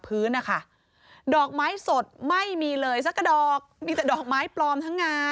พื้นนะคะดอกไม้สดไม่มีเลยสักกระดอกมีแต่ดอกไม้ปลอมทั้งงาน